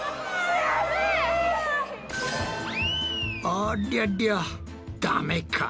ありゃりゃダメか。